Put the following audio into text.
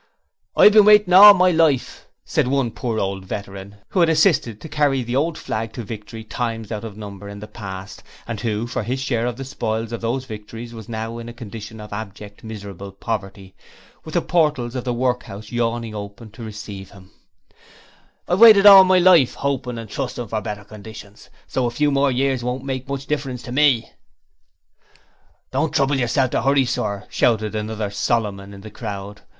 'I've been waiting all my life,' said one poor old veteran, who had assisted to 'carry the "Old Flag" to victory' times out of number in the past and who for his share of the spoils of those victories was now in a condition of abject, miserable poverty, with the portals of the workhouse yawning open to receive him; 'I've waited all my life, hoping and trusting for better conditions so a few more years won't make much difference to me.' 'Don't you trouble to 'urry yourself, Sir,' shouted another Solomon in the crowd.